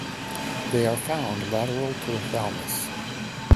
They are found lateral to the thalamus.